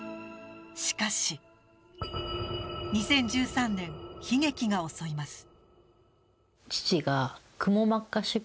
しかし２０１３年悲劇が襲います。